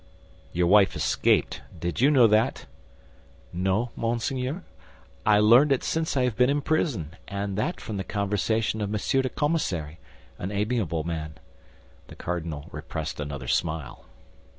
"Your wife has escaped. Did you know that?" "No, monseigneur. I learned it since I have been in prison, and that from the conversation of Monsieur the Commissary—an amiable man." The cardinal repressed another smile.